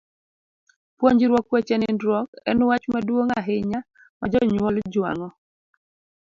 Puonjruok weche nindruok en wach maduong' ahinya ma jonyuol jwang'o.